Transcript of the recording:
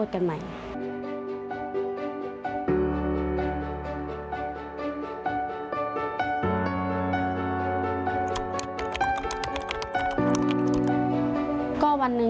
คุณแม่คนนี้